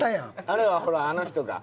あれはほらあの人が。